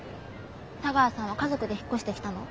茶川さんは家族で引っ越してきたの？